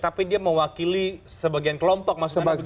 tapi dia mewakili sebagian kelompok maksudnya